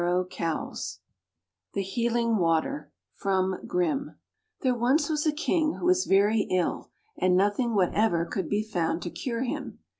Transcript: [ 98 ,] THE HEALING WATER T here was once a King who was very ill, and nothing whatever could be found to cure him.